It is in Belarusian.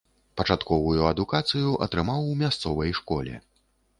Пачатковую адукацыю атрымаў у мясцовай школе.